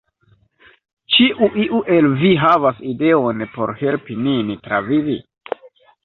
"Ĉiu iu el vi havas ideon por helpi nin travivi?"